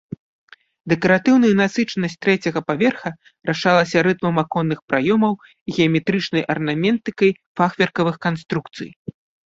Дэкаратыўная насычанасць трэцяга паверха рашалася рытмам аконных праёмаў і геаметрычнай арнаментыкай фахверкавых канструкцый.